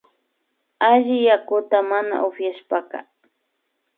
Alli yakuta mana upyashpaka